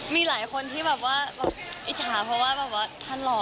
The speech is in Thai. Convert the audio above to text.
มีหลายคนที่อิจฉาเพราะว่าท่านหล่อ